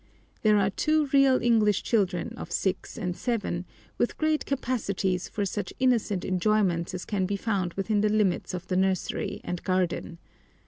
There are two real English children of six and seven, with great capacities for such innocent enjoyments as can be found within the limits of the nursery and garden.